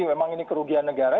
memang ini kerugian negara